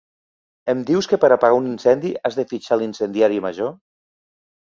Em dius que per apagar un incendi has de fitxar l’incendiari major?